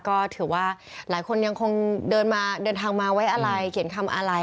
ก็ถือว่าหลายคนยังคงเดินทางมาไว้อะไรเขียนคำอะไร